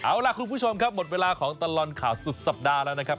เอาล่ะคุณผู้ชมครับหมดเวลาของตลอดข่าวสุดสัปดาห์แล้วนะครับ